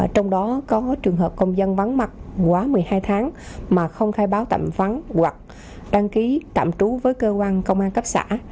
trong đó có trường hợp công dân vắng mặt quá một mươi hai tháng mà không khai báo tạm vắng hoặc đăng ký tạm trú với cơ quan công an cấp xã